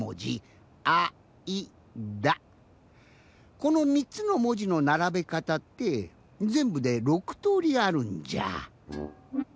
この３つのもじのならべかたってぜんぶで６とおりあるんじゃ。